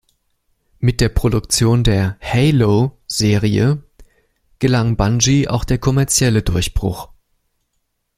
Mit der Produktion der "Halo"-Serie gelang Bungie auch der kommerzielle Durchbruch.